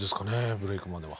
ブレイクまでは。